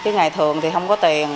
ngày thường thì không có tiền